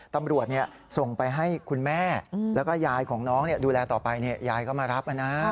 ตำรวจส่งไปให้คุณแม่แล้วก็ยายของน้องดูแลต่อไปยายก็มารับนะ